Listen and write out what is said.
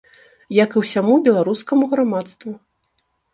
Як і ўсяму беларускаму грамадству.